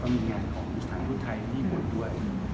มีงานของกุศทางรูปไทยที่หมดด้วย